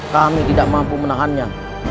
kami tidak mampu menahannya